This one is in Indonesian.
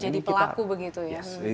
jadi pelaku begitu ya